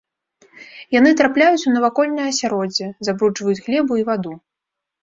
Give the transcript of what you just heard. Яны трапляюць у навакольнае асяроддзе, забруджваюць глебу і ваду.